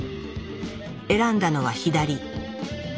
選んだのは左。